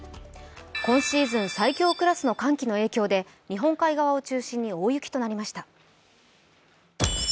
今シーズン最強クラスの寒気の影響で日本海側を中心に大雪となりました。